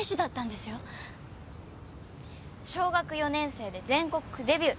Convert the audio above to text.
小学４年生で全国区デビュー。